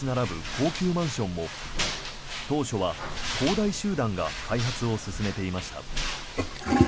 高級マンションも当初は恒大集団が開発を進めていました。